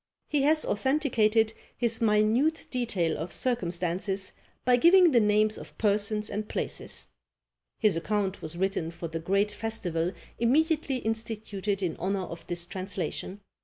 He has authenticated his minute detail of circumstances by giving the names of persons and places. His account was written for the great festival immediately instituted in honour of this translation.